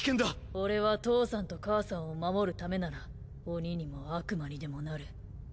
俺は父さんと母さんを守るためなら鬼にも悪魔にでもなる。